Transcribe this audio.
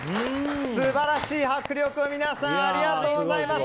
素晴らしい迫力を皆さんありがとうございます！